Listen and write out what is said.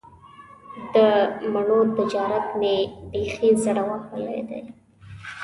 د مڼو تجارت مې بیخي زړه وهلی دی.